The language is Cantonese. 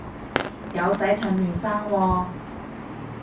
有仔趁嫩生喎